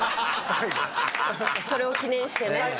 それを記念してね。